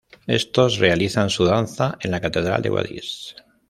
Estos realizan su danza en la Catedral de Guadix.